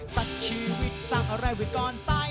ตัดชีวิตสร้างอะไรไว้ก่อนตาย